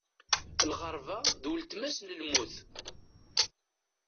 Lɣerba d uletma-s n lmut.